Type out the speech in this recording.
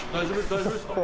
大丈夫ですか？